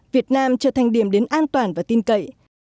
việt nam trở thành điểm đến an toàn và tin cậy